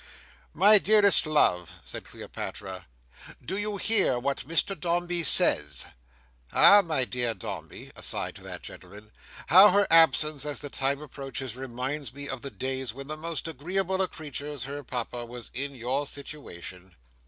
"My dearest love," said Cleopatra, "do you hear what Mr Dombey says? Ah, my dear Dombey!" aside to that gentleman, "how her absence, as the time approaches, reminds me of the days, when that most agreeable of creatures, her Papa, was in your situation!"